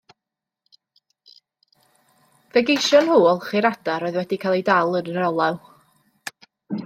Fe geision nhw olchi'r adar oedd wedi cael eu dal yn yr olew.